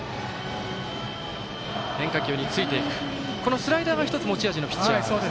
スライダーが１つ持ち味のピッチャーですね。